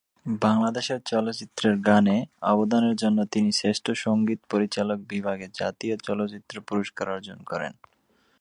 বাংলাদেশের চলচ্চিত্রের গানে অবদানের জন্য তিনি শ্রেষ্ঠ সঙ্গীত পরিচালক বিভাগে জাতীয় চলচ্চিত্র পুরস্কার অর্জন করেন।